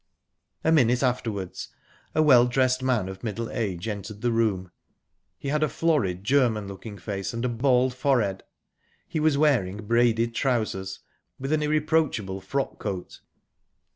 A minute afterwards a well dressed man of middle age entered the room. He had a florid German looking face, and a bald forehead; he was wearing braided trousers, with an irreproachable frock coat.